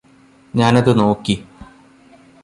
ഞാനത് നോക്കി